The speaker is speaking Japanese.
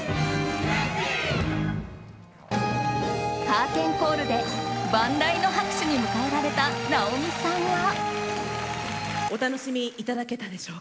カーテンコールで万雷の拍手に迎えられた直美さんは。